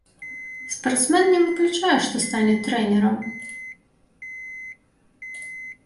Спартсмен не выключае, што стане трэнерам.